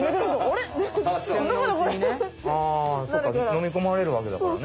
そっか飲み込まれるわけだからね。